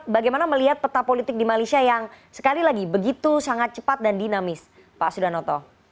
bagaimana melihat peta politik di malaysia yang sekali lagi begitu sangat cepat dan dinamis pak sudanoto